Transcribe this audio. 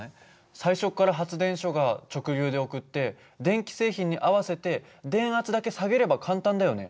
最初から発電所が直流で送って電気製品に合わせて電圧だけ下げれば簡単だよね。